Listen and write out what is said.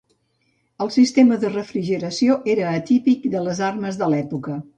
El sistema de refrigeració era atípic de les armes de l'època.